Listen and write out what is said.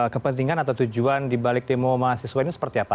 kepentingan atau tujuan dibalik demo mahasiswa ini seperti apa